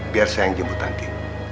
biar saya yang jemput nanti